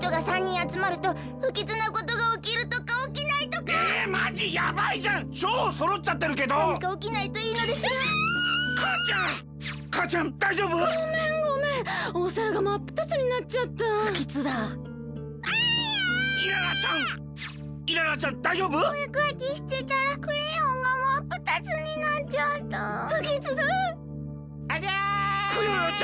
・ありゃ！